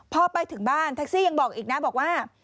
พอไปถึงบ้านแท็กซี่ยังบอกอีกนะบอกว่า